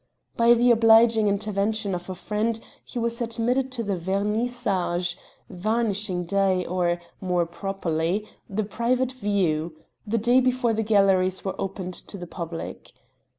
By the obliging intervention of a friend he was admitted to the "vernis sage" varnishing day, or, more properly, the private view the day before the galleries were opened to the public.